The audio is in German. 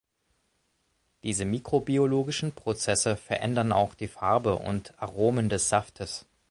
Diese mikrobiologischen Prozesse verändern auch die Farbe und Aromen des Saftes.